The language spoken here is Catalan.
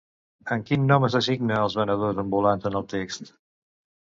Amb quin nom es designa als venedors ambulants en el text?